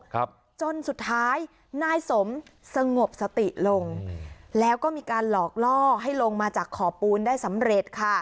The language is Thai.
ครับจนสุดท้ายนายสมสงบสติลงแล้วก็มีการหลอกล่อให้ลงมาจากขอบปูนได้สำเร็จค่ะ